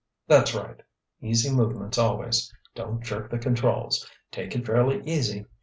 "That's right—easy movements always—don't jerk the controls—take it fairly easy.